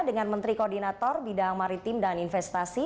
dengan menteri koordinator bidang maritim dan investasi